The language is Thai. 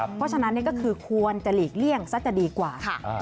เพราะฉะนั้นก็คือควรจะหลีกเลี่ยงซะจะดีกว่า